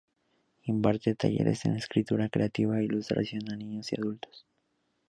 Imparte talleres de escritura creativa e ilustración a niños y adultos.